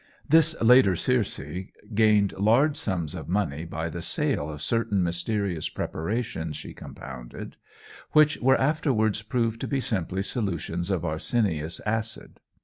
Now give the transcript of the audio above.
This later Circe gained large sums of money by the sale of certain mysterious preparations she compounded, which were afterwards proved to be simply solutions of arsenious acid.